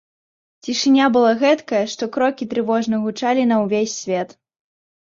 Цішыня была гэтакая, што крокі трывожна гучалі на ўвесь свет.